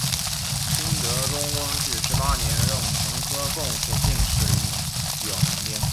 清德宗光绪十八年壬辰科贡士进士列表名单。